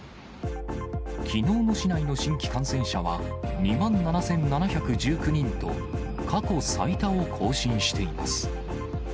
きのうの市内の新規感染者は２万７７１９人と、過去最多を更新しています。